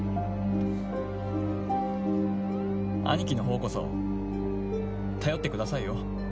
兄貴のほうこそ頼ってくださいよ。